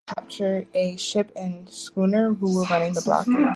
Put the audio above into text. She helped capture a ship and a schooner who were running the blockade.